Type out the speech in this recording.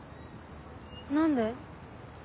何で？